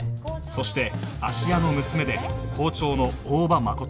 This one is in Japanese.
そして芦屋の娘で校長の大場麻琴